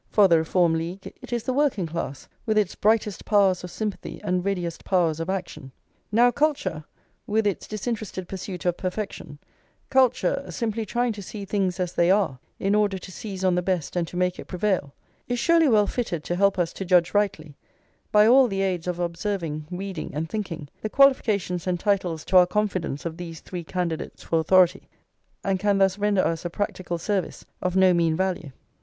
For the Reform League, it is the working class, with its "brightest powers of sympathy and readiest powers of action." Now, culture, with its disinterested pursuit of perfection, culture, simply trying to see things as they are, in order to seize on the best and to make it prevail, is surely well fitted to help us to judge rightly, by all the aids of observing, reading, and thinking, the qualifications and titles to our confidence of these three candidates for authority, and can thus render us a practical service of no mean value.